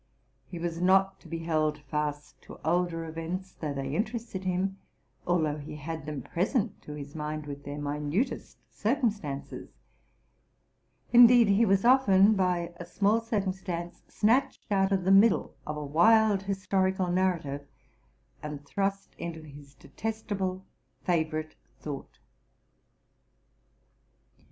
He was not to be held fast to older events, although they interested him, — although he had them present to his mind with their minutest circumstances. Indeed, he was often, bya small circumstance, snatched out of the middle of a wild historical narrative, and thrust into his detestable favorite thought.